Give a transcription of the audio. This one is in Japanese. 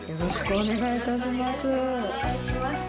お願いします。